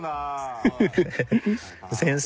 先生！